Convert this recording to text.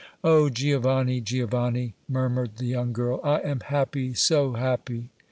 "Oh! Giovanni, Giovanni," murmured the young girl, "I am happy, so happy!"